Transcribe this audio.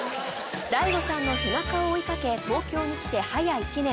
大悟さんの背中を追いかけ東京に来て早１年。